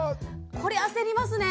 これ焦りますね！